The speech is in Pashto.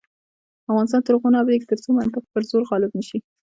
افغانستان تر هغو نه ابادیږي، ترڅو منطق پر زور غالب نشي.